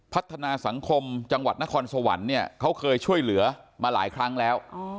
พัฒนาสังคมจังหวัดนครสวรรค์เนี่ยเขาเคยช่วยเหลือมาหลายครั้งแล้ว